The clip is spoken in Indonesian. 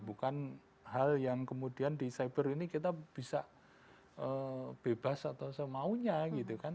bukan hal yang kemudian di cyber ini kita bisa bebas atau semaunya gitu kan